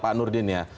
pak nurdin ya